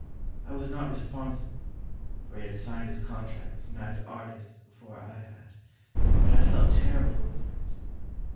I was not responsible, for he had signed his contract with United Artists before I had, but I felt terrible over it.